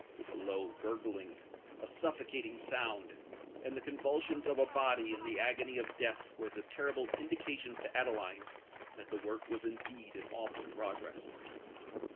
A low gurgling—a suffocating sound—and the convulsions of a body in the agony of death were the terrible indications to Adeline that the work was indeed in awful progress!